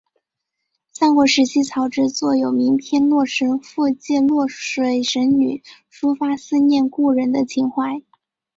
三国时期曹植作有名篇洛神赋借洛水神女抒发思念故人的情怀。